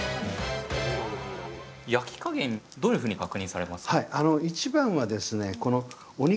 焼き加減どういうふうに確認されますか？